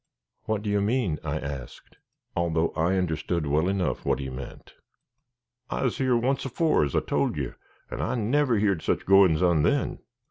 "What do you mean?" I asked, although I understood well enough what he meant. "I's here once afore, as I told yer, and I never heerd sich goin's on then.